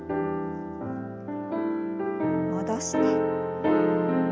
戻して。